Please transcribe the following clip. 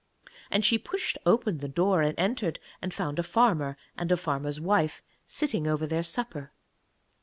And she pushed open the door and entered, and found a farmer and a farmer's wife sitting over their supper.